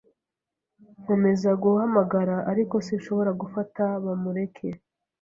Nkomeza guhamagara, ariko sinshobora gufata Bamureke.